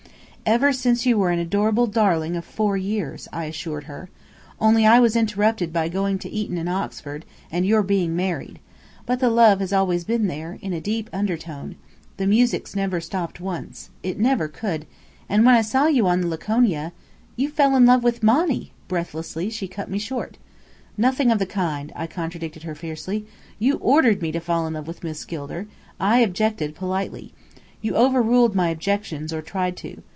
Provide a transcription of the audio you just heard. "Ever since you were an adorable darling of four years," I assured her. "Only I was interrupted by going to Eton and Oxford, and your being married. But the love has always been there, in a deep undertone. The music's never stopped once. It never could. And when I saw you on the Laconia " "You fell in love with Monny!" breathlessly she cut me short. "Nothing of the kind," I contradicted her fiercely. "You ordered me to fall in love with Miss Gilder. I objected politely. You overruled my objections, or tried to.